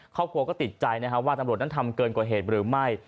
ครอบครัวก็ติดใจนะครับว่าตำรวจนั้นทำเกินกว่าเหตุหรือไม่